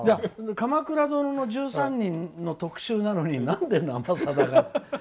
「鎌倉殿の１３人」の特集なのになんで「生さだ」が？